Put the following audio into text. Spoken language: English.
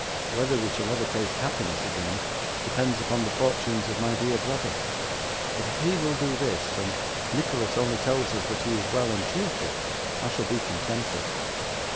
Whether we shall ever taste happiness again, depends upon the fortunes of my dear brother; but if he will do this, and Nicholas only tells us that he is well and cheerful, I shall be contented.